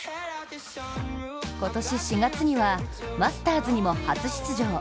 今年４月には、マスターズにも初出場。